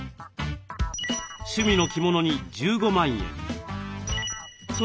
趣味の着物に１５万円。